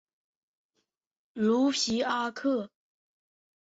卢皮阿克。